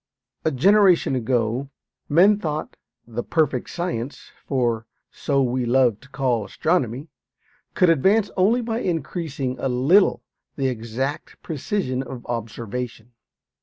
A generation ago, men thought the "perfect science," for so we love to call astronomy, could advance only by increasing a little the exact precision of observation.